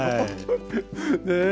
ねえ。